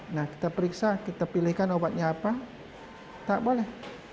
nah kita periksa kita pilihkan obatnya apa tak boleh